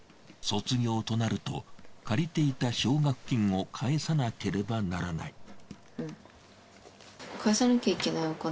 卒業となると借りていた奨学金を返さなければならない。